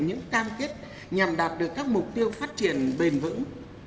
những cam kết nhằm đạt được các mục tiêu phát triển bền vững